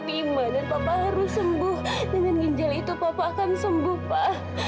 bermanfaat harus sembuh dengan ginjal itu papa akan sembuh pak